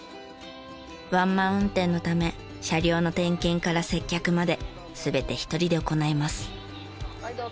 ワンマン運転のため車両の点検から接客まで全て１人で行います。